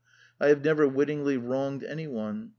I have never wittingly wronged anyone.